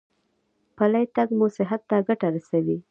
پلی تګ مو صحت ته ګټه رسوي.